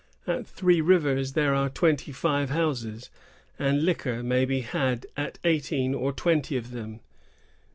At Three Rivers there are twenty five houses, and liquor may be had at eighteen or twenty of them.